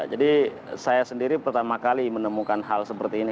saya sendiri pertama kali menemukan hal seperti ini